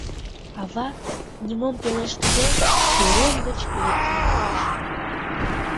Ава, нимом пелештыде, пӧлем гыч лектын кайыш.